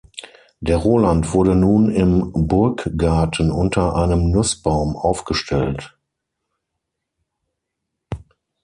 Der Roland wurde nun im Burggarten unter einem Nussbaum aufgestellt.